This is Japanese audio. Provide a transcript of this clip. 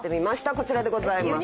こちらでございます。